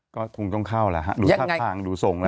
ก็คงต้องเข้าแล้วฮะดูท่าทางดูทรงแล้ว